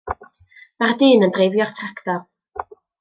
Mae'r dyn yn dreifio'r tractor.